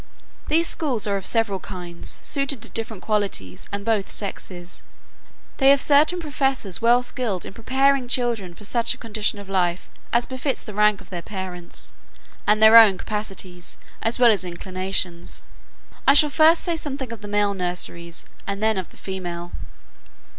These schools are of several kinds, suited to different qualities, and both sexes. They have certain professors well skilled in preparing children for such a condition of life as befits the rank of their parents, and their own capacities, as well as inclinations. I shall first say something of the male nurseries, and then of the female.